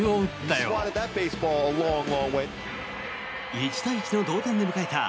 １対１の同点で迎えた